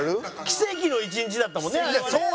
奇跡の１日だったもんねあれ。